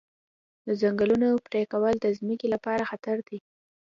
د ځنګلونو پرېکول د ځمکې لپاره خطر دی.